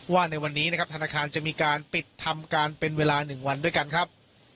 ในวันนี้นะครับธนาคารจะมีการปิดทำการเป็นเวลา๑วันด้วยกันครับ